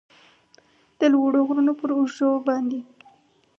د لوړو غرونو پراوږو باندې